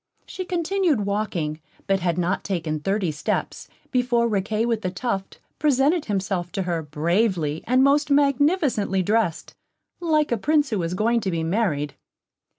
She continued walking, but had not taken thirty steps before Riquet with the Tuft presented himself to her, bravely and most magnificently dressed, like a Prince who was going to be married.